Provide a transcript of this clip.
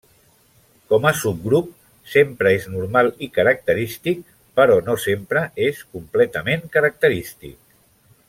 Com a subgrup, sempre és normal i característic, però no sempre és completament característic.